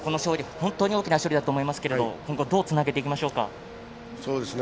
本当に大きな勝利だと思いますが今後どうつなげていきましょうか。